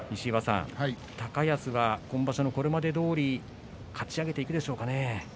高安は今場所のこれまでどおりかち上げでいくでしょうかね。